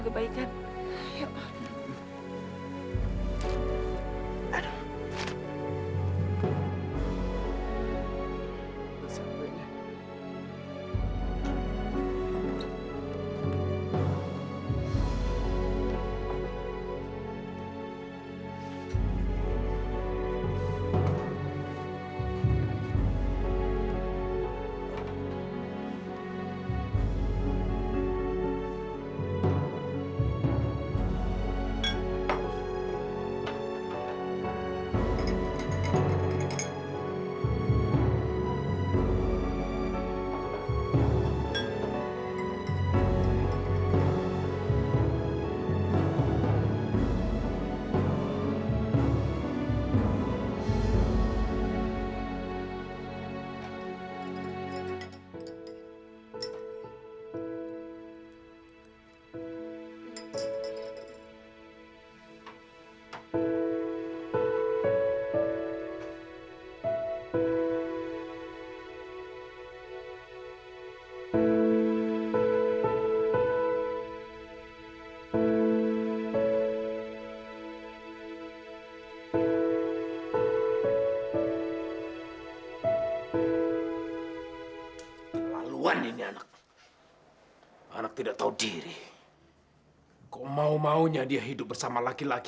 kok maunya mahunya dia hidup bersama laki laki